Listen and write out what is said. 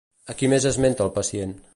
A qui més esmenta el pacient?